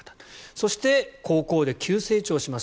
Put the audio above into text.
そして、高校で急成長しました。